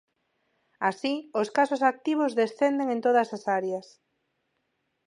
Así, os casos activos descenden en todas as áreas.